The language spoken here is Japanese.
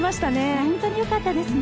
本当によかったですね。